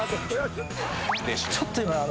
ちょっと。